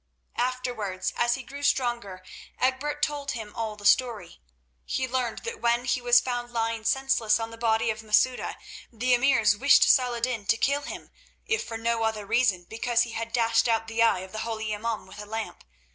Afterwards, as he grew stronger, Egbert told him all the story. He learned that when he was found lying senseless on the body of Masouda the emirs wished Saladin to kill him, if for no other reason because he had dashed out the eye of the holy imaum with a lamp.